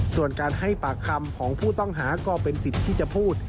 ส่วนการให้ปากคำของผู้ต้องหาก็เป็นสิทธิ์ที่จะพูด